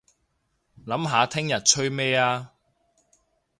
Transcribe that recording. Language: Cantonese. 諗下聽日吹咩吖